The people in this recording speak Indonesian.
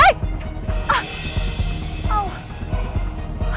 saya gak tau gak tau ini kenapa